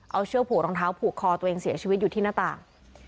เอาเชือกผูกรองเท้าผูกคอตัวเองเสียชีวิตอยู่ที่หน้าต่าง